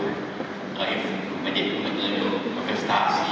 atau ikut menyebutkan untuk manifestasi